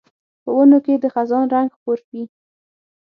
په ونو کې د خزان رنګ خپور وي